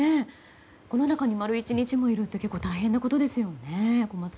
この中に丸一日もいるって結構大変なことですよね。